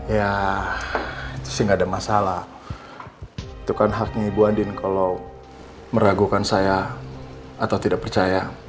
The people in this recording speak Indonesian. ya sih nggak ada masalah itu kan haknya ibu andin kalau meragukan saya atau tidak percaya